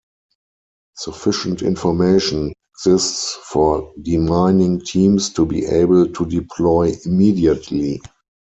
Sufficient information exists for demining teams to be able to deploy immediately.